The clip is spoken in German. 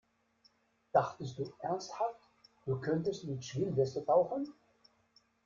Dachtest du ernsthaft, du könntest mit Schwimmweste tauchen?